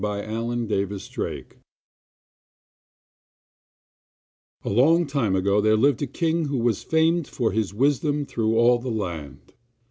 THE WHITE SNAKE A long time ago there lived a king who was famed for his wisdom through all the land.